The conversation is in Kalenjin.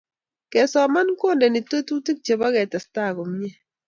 Kesoman kondeni tetutik chebo ketestai komie